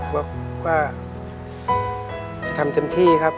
บอกว่าจะทำเต็มที่ครับ